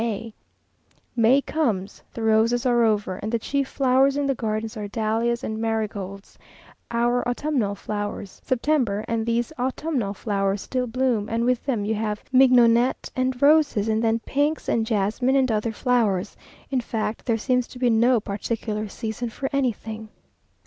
May comes the roses are over, and the chief flowers in the gardens are dahlias and marigolds, our autumnal flowers September, and these autumnal flowers still bloom, and with them you have mignonette and roses, and then pinks and jasmine, and other flowers. In fact there seems to be no particular season for anything.